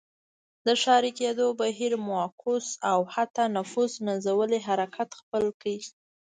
د ښاري کېدو بهیر معکوس او حتی نفوس نزولي حرکت خپل کړ.